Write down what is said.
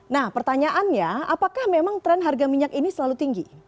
nah pertanyaannya apakah memang tren harga minyak ini selalu tinggi